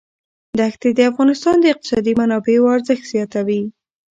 دښتې د افغانستان د اقتصادي منابعو ارزښت زیاتوي.